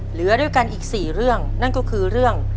เหลือด้วยกันอีก๔เรื่องนั่นก็คือเรื่อง